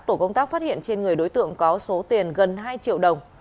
tổ công tác phát hiện trên người đối tượng có số tiền gần hai triệu đồng